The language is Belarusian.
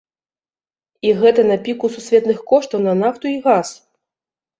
І гэта на піку сусветных коштаў на нафту і газ!